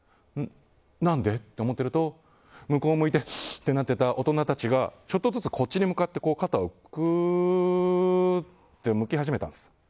なんで？って思ってると向こうを向いていた大人たちがちょっとずつ、こっちに向かって肩をクーって向き始めたんです。